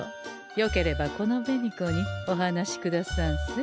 よければこの紅子にお話しくださんせ。